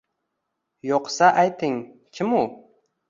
Yo’qsa, ayting, Kim u?